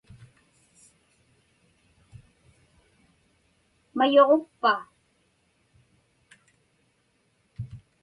Mayuġukpa?